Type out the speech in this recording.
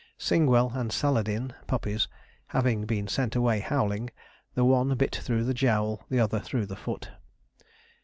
Singwell and Saladin (puppies) having been sent away howling, the one bit through the jowl, the other through the foot.